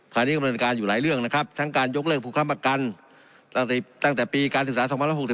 ขณะนี้กำลังการอยู่หลายเรื่องนะครับทั้งการยกเลิกผู้ค้ำประกันตั้งแต่ปีการศึกษา๒๐๖๐